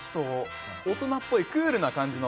大人っぽい、クールな感じの。